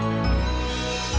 kamu mau bantu